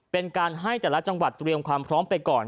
เป็นการให้แต่ละจังหวัดเตรียมความพร้อมไปก่อน